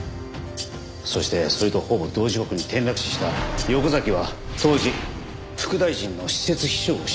そしてそれとほぼ同時刻に転落死した横崎は当時副大臣の私設秘書をしていた。